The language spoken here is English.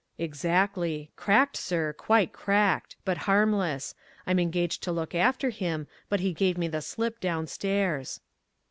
"Exactly. Cracked, sir. Quite cracked; but harmless. I'm engaged to look after him, but he gave me the slip downstairs."